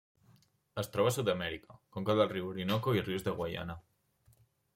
Es troba a Sud-amèrica: conca del riu Orinoco i rius de Guaiana.